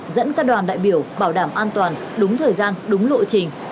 dẫn các đoàn đại biểu bảo đảm an toàn đúng thời gian đúng lộ trình